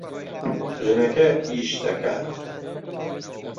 ژنەکە ئیش دەکات.